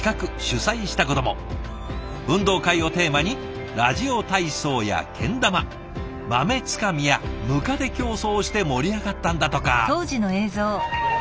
運動会をテーマにラジオ体操やけん玉豆つかみやムカデ競走をして盛り上がったんだとか。